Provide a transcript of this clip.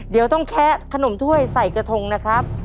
เดี๋ยวต้องแคะขนมถ้วยใส่กระทงนะครับ